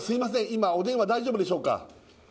今お電話大丈夫でしょうか？